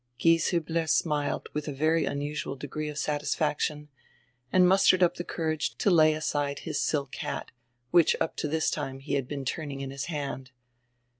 Gieshiibler smiled widi a very unusual degree of satis faction and mustered up die courage to lay aside his silk hat, which up to this time he had been turning in his hand.